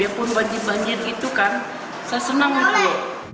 biarpun banjir banjir itu kan saya senang di pulau